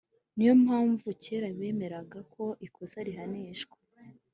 niyo mpamvu kera, bemeraga ko ikosa rihanishwa